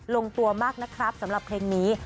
ลงตัวมากนะครับสำหรับเพลงนี้